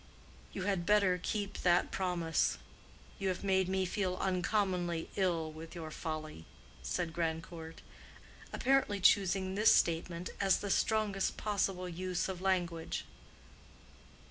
"You had better keep that promise. You have made me feel uncommonly ill with your folly," said Grandcourt, apparently choosing this statement as the strongest possible use of language.